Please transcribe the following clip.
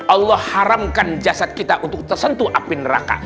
allah haramkan jasad kita untuk tersentuh api neraka